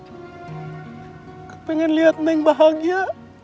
aku pengen lihat neng bahagia